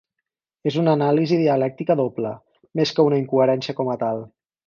És una anàlisi dialèctica doble, més que una incoherència com a tal.